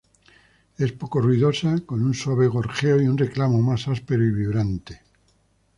Es poco ruidosa, con un suave gorjeo y un reclamo más áspero y vibrante.